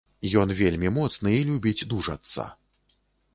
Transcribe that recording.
Ён вельмі моцны і любіць дужацца.